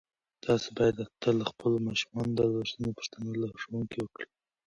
تاسو باید تل د خپلو ماشومانو د درسونو پوښتنه له ښوونکو وکړئ.